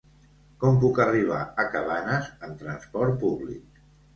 Com puc arribar a Cabanes amb transport públic?